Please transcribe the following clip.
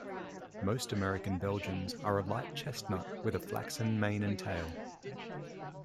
Most American Belgians are a light chestnut with a flaxen mane and tail.